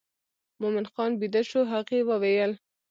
مومن خان بېده شو هغې وویل.